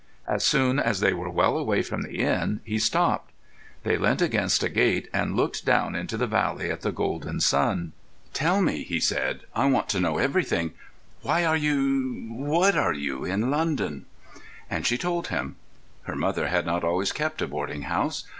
As soon as they were well away from the inn he stopped. They leant against a gate and looked down into the valley at the golden sun. "Tell me," he said, "I want to know everything. Why are you—what you are, in London?" And she told him. Her mother had not always kept a boarding house.